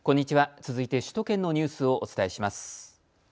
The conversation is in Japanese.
続いて首都圏のニュースをお伝えします。